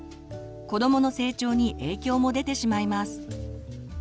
子どもの成長に影響も出てしまいます。